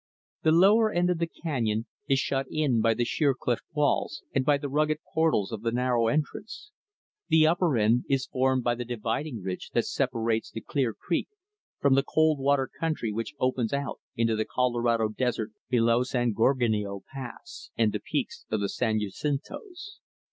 The lower end of the canyon is shut in by the sheer cliff walls, and by the rugged portals of the narrow entrance; the upper end is formed by the dividing ridge that separates the Clear Creek from the Cold Water country which opens out onto the Colorado Desert below San Gorgonio Pass and the peaks of the San Jacintos.